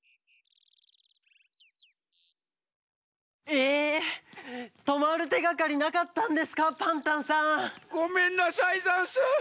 えとまるてがかりなかったんですかパンタンさん。ごめんなさいざんす。